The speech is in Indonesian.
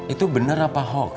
itu benar apa hoax